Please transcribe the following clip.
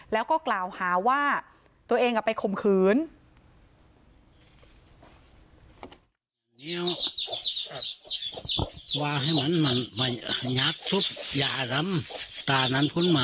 แล้วก็กล่าวหาว่าตัวเองไปข่มขืน